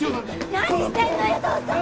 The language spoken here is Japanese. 何してんのよ父さん。